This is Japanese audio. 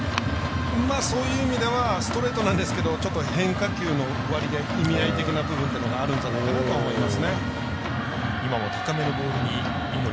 そういう意味ではストレートなんですけどちょっと変化球の割合意味合い的な部分があるんじゃないかなと思いますね。